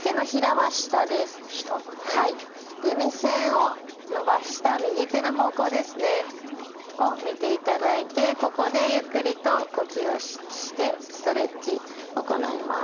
はいで目線を伸ばした右手の方向ですね。を見ていただいてここでゆっくりと呼吸をしてストレッチ行います。